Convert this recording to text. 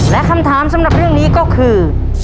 และคำถามสำหรับเรื่องนี้ก็คือ